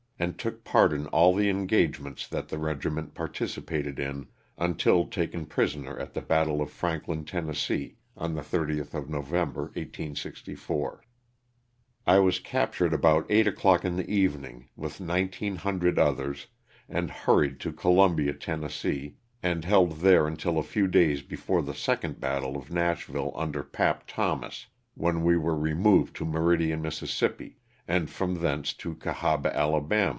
and took part in all the engagements that the regiment participated in until taken prisoner at the battle of Franklin, Term., on the 30th of Novem ber, 1864. I was captured about eight o'clock in the evening, with 1,900 others, and hurried to Columbia, Tenu., and held there until a few days before the second battle of Nashville under "Pap" Thomas, when we were removed to Meridian, Miss., and from thence to Cahaba, Ala.